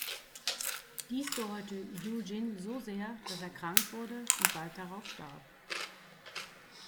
Dies bereute Yu Jin so sehr, dass er krank wurde und bald starb.